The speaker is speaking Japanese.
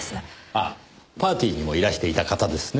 あっパーティーにもいらしていた方ですね？